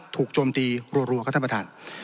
โจมตีรัวครับท่านประธาน